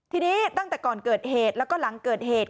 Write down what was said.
ทีนี้ตั้งแต่ก่อนเกิดเหตุแล้วก็หลังเกิดเหตุ